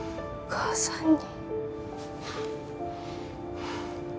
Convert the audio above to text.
お母さんに